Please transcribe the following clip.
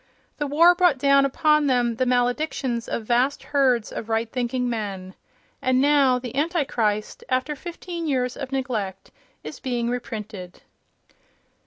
The war brought down upon them the maledictions of vast herds of right thinking men. And now "The Antichrist," after fifteen years of neglect, is being reprinted....